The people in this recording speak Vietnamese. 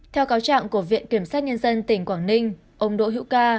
theo cáo trạng của viện kiểm sát nhân dân tỉnh quảng ninh ông đỗ hữu ca